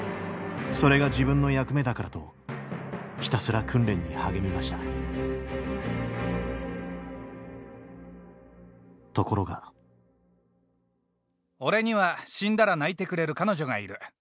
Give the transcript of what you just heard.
それが自分の役目だからとひたすら訓練に励みましたところが俺には死んだら泣いてくれる彼女がいる。